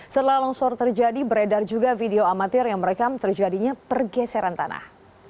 setelah longsor terjadi beredar juga video amatir yang merekam terjadinya pergeseran tanah